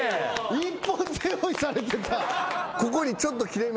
一本背負いされてた。